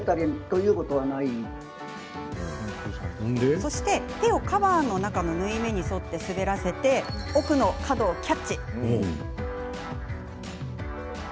そして、手をカバーの中の縫い目に沿って滑らせて奥の角をキャッチ。